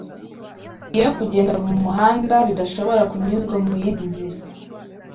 Iyo kugenda mu muhanda bidashobora kunyuzwa mu yindi nzira